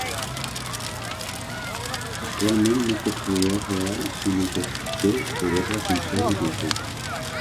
Actualment no té poder real, sinó que té poder de consell i consulta.